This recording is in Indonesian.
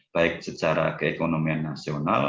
baik secara keekonomian nasional